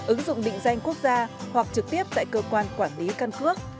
ứng dụng định danh quốc gia hoặc trực tiếp tại cơ quan quản lý căn cước